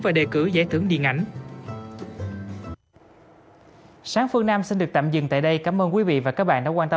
và đề cử giải thưởng điện ảnh